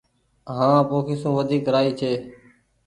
هآنٚ پوکي سون وديڪ رآئي ڇي